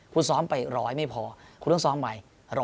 คุณซ้อมไปร้อยไม่พอคุณต้องซ้อมไว้๑๕๐